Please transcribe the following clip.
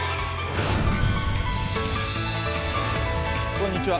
こんにちは。